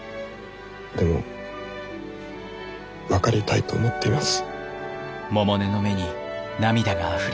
でも分かりたいと思っています。